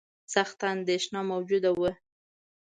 سخته اندېښنه موجوده وه.